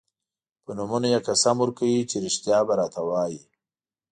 په نومونو یې قسم ورکوي چې رښتیا به راته وايي.